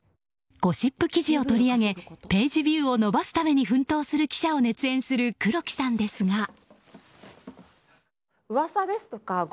ゴシップ記事を取り上げページビューを伸ばすために奮闘する記者を熱演する黒木さんですが。